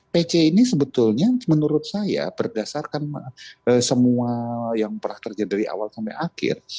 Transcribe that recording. pc ini sebetulnya menurut saya berdasarkan semua yang pernah terjadi dari awal sampai akhir